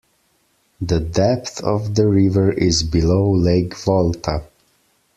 The depth of the river is below Lake Volta.